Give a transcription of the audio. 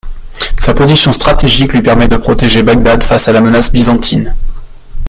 Sa position stratégique lui permet de protéger Bagdad face à la menace byzantine.